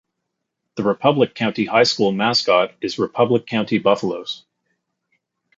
The Republic County High School mascot is Republic County Buffaloes.